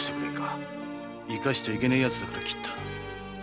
生かしちゃいけねえやつだから斬った。